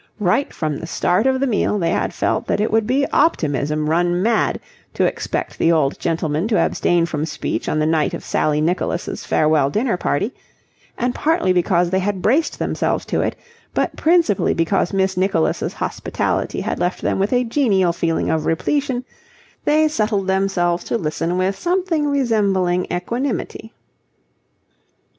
Right from the start of the meal they had felt that it would be optimism run mad to expect the old gentleman to abstain from speech on the night of Sally Nicholas' farewell dinner party; and partly because they had braced themselves to it, but principally because Miss Nicholas' hospitality had left them with a genial feeling of repletion, they settled themselves to listen with something resembling equanimity.